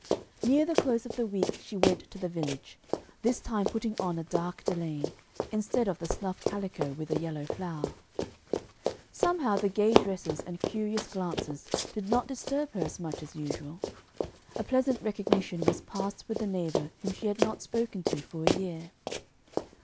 Near the close of the week she went to the village, this time putting on a dark delaine, instead of the snuff calico with a yellow flower. Somehow the gay dresses and curious glances did not disturb her as much as usual. A pleasant recognition was passed with a neighbor whom she had not spoken to for a year.